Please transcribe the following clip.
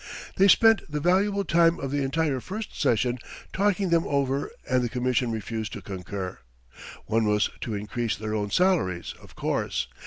They spent the valuable time of the entire first session talking them over and the Commission refused to concur. One was to increase their own salaries, of course.